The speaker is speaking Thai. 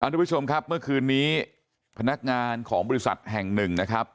ทุกผู้ชมครับเมื่อคืนนี้พนักงานของบริษัทแห่งหนึ่งนะครับ